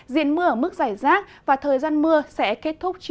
diện mưa ở mức giải rác và thời gian mưa sẽ kết thúc